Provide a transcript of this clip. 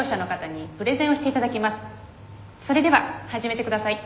それでは始めて下さい。